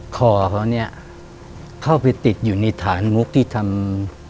คอเขาเนี่ยเข้าไปติดอยู่ในฐานมุกที่ทำ